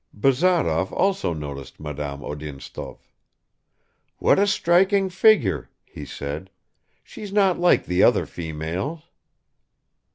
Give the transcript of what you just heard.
Bazarov also noticed Madame Odintsov. "What a striking figure," he said. "She's not like the other females."